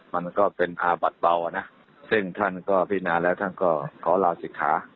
มันก็เป็นอาบัติเบานะซึ่งท่านก็พินาแล้วท่านก็ขอราวสิทธิ์ค้า